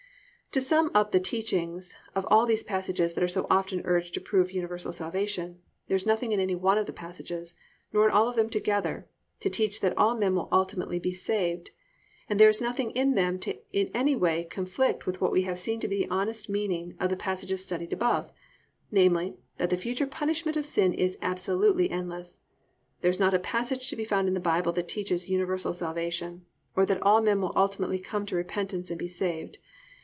To sum up the teaching of all these passages that are so often urged to prove universal salvation, there is nothing in any one of the passages, nor in all of them together, to teach that all men will ultimately be saved, and there is nothing in them to in any way conflict with what we have seen to be the honest meaning of the passages studied above, namely, that the future punishment of sin is absolutely endless. There is not a passage to be found in the Bible that teaches universal salvation, or that all men will ultimately come to repentance and be saved.